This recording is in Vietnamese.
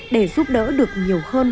để giúp đỡ được nhiều hơn